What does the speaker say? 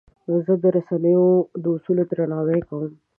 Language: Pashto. زه د رسنیو د اصولو درناوی کوم.